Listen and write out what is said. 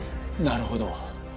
なるほど。